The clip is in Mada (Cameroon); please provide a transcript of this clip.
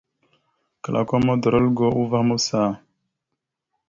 Klakom udoróalgo uvah maɓəsa.